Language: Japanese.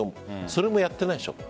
それもやっていないでしょう。